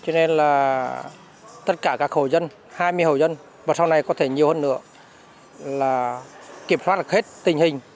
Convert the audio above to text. nên là tất cả các hộ dân hai mươi hộ dân và sau này có thể nhiều hơn nữa là kiểm soát được hết tình hình